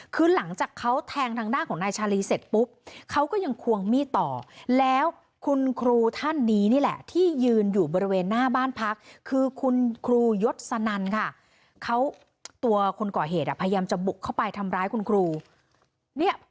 คือหลังจากเขาแทงทางหน้าของนายชาลีเสร็จปุ๊บ